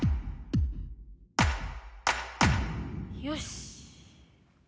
よし。